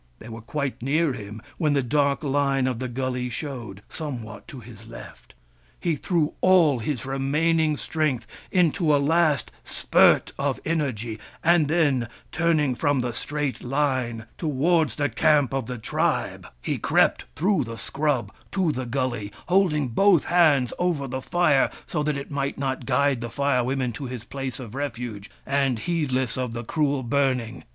They were quite near him when the dark line of the gully showed, somewhat to his left. He threw 354 WURIP, THE FIRE BRINGER all his remaining strength into a last spurt of energy, and then, turning from the straight line towards the camp of the tribe, he crept through the scrub to the gully, holding both hands over the fire so that it might not guide the Fire Women to his place of refuge, and heedless of the cruel burning.